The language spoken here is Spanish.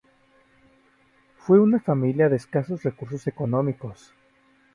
Fue una familia de escasos recursos económicos.